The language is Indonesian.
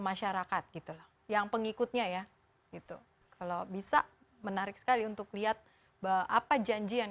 masyarakat gitu loh yang pengikutnya ya itu kalau bisa menarik sekali untuk lihat bahwa apa janji yang